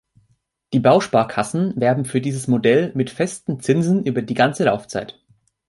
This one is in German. Die Bausparkassen werben für dieses Modell mit festen Zinsen über die ganze Laufzeit.